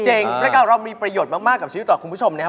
รายการเรามีประโยชน์มากกับชีวิตต่อคุณผู้ชมนะครับ